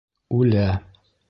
Үлә.